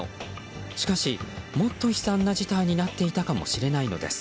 しかし、もっと悲惨な事態になっていたかもしれないのです。